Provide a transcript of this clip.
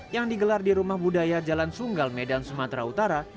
yang digelar di rumah budaya jalan sunggal medan sumatera utara